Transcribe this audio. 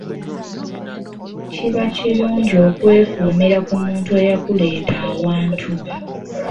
Kiba kirungi okwekuumira ku muntu eyakuleeta awantu.